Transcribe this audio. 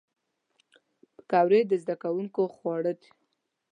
پکورې د زدهکوونکو خواړه دي